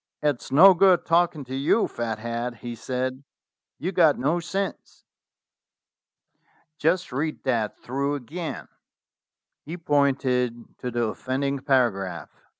"It's no good talking to you, Fat head," he said ; "you've got no sense. Just read that 234 STORIES WITHOUT TEARS through again." He pointed to the offending para graph.